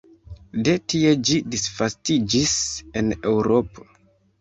De tie ĝi disvastiĝis en Eŭropo.